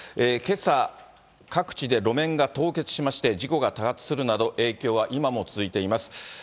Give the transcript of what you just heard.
けさ、各地で路面が凍結しまして、事故が多発するなど、影響は今も続いています。